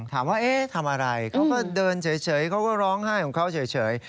ถามว่าทำอะไรเขาก็เดินเฉยเขาก็ร้องไห้ของเขาเฉย